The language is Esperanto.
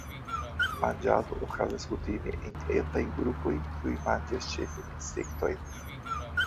Manĝado okazas kutime en etaj grupoj kiuj manĝas ĉefe insektojn.